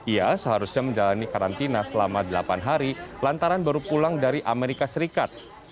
ia seharusnya menjalani karantina selama delapan hari lantaran baru pulang dari amerika serikat